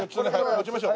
持ちましょう。